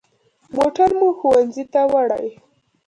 موټر مو ښوونځي ته وړي.